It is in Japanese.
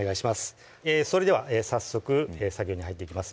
それでは早速作業に入っていきます